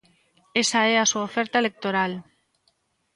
Esa é a súa oferta electoral.